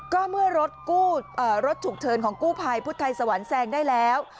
ก็เมื่อรถฉุกเฉินของกู้ภัยพุทธไทยสวรรค์แซงได้แล้ว